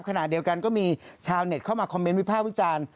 ขณะเดียวกันก็มีชาวเน็ตเข้ามาคอมเมนต์วิภาควิจารณ์